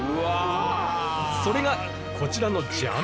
それがこちらのジャンボスイカ！